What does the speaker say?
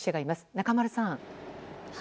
中丸さん。